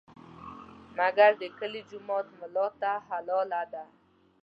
مګر د کلي جومات ملا ته حلاله ده.